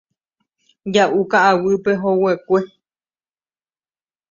Ja'u ka'aguýpe hoguekue.